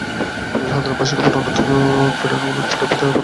নিরীহ গ্রামবাসীদের উপর অনর্থক উৎপীড়ন ও লুঠপাটের প্রতি রঘুপতির বিশেষ বিরাগ ছিল।